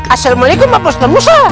assalamualaikum pak ustadz musa